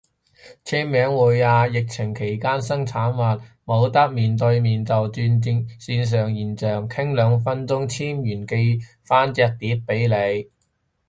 簽名會啊，疫情期間新產物，冇得面對面就轉線上視象，傾兩分鐘簽完寄返隻碟俾你